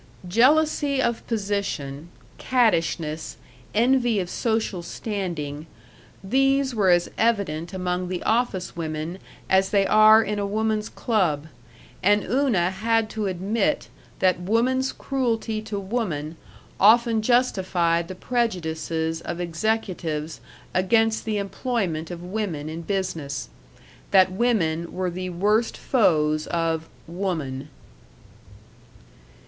Jealousy of position, cattishness, envy of social standing these were as evident among the office women as they are in a woman's club; and Una had to admit that woman's cruelty to woman often justified the prejudices of executives against the employment of women in business; that women were the worst foes of Woman.